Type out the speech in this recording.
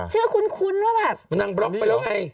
ชื่อคุ้นว่าแบบมันนั่งบล็อกไปแล้วไง